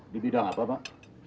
di bidang apa pak